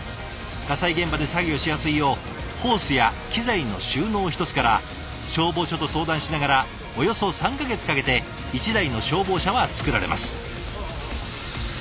火災現場で作業しやすいようホースや機材の収納ひとつから消防署と相談しながらおよそ３か月かけて１台の消防車は作られます。